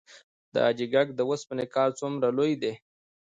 د حاجي ګک د وسپنې کان څومره لوی دی؟